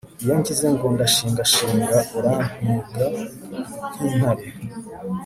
iyo ngize ngo ndashingashinga, urampiga nk'intare